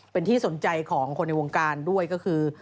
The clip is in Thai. เป็นที่สนใจของคนในวงการด้วยก็คือ